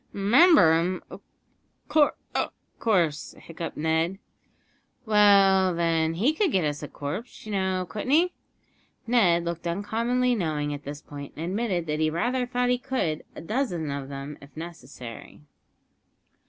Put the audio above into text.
"R'member him, of course," hiccuped Ned. "Well, then, he could get us a corpse, you know couldn't he?" Ned looked uncommonly knowing at this point, and admitted that he rather thought he could a dozen of them, if necessary.